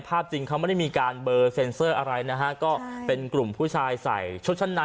ภาพจริงมันไม่มีเบอร์เซ็นเซอร์อะไรนะครับก็เป็นกลุ่มผู้ชายใส่ชดชั่นใน